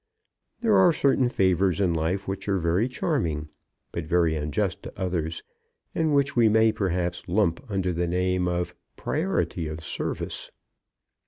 There are certain favours in life which are very charming, but very unjust to others, and which we may perhaps lump under the name of priority of service.